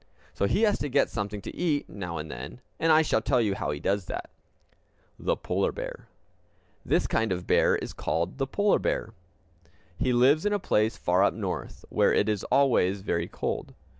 So he has to get something to eat now and then, and I shall tell you how he does that. The Polar Bear This kind of bear is called the polar bear. (See the picture on page 155.) He lives in a place far up North, where it is always very cold.